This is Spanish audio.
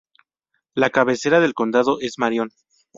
La cabecera del condado es Marion.